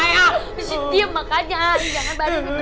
diam makanya jangan bareng di persis